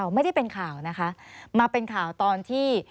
ไม่ได้เป็นข่าวนะคะมาเป็นข่าวตอนที่